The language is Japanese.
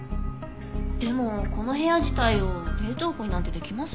でもこの部屋自体を冷凍庫になんてできます？